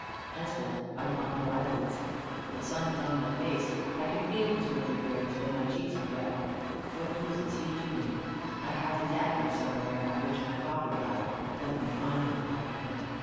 Henceforth I want no eyelids. The sun is on my face. I can feel his winter rays, though my cheeks are wet. What use is he to me? I have the dagger somewhere by which my father died. Let me find it, if I can.